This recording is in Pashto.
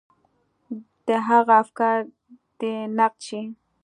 د هغه افکار دې نقد شي.